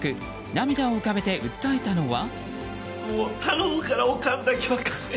涙を浮かべて訴えたのは？